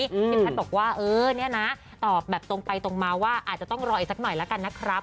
พี่แพทย์บอกว่าเออเนี่ยนะตอบแบบตรงไปตรงมาว่าอาจจะต้องรออีกสักหน่อยแล้วกันนะครับ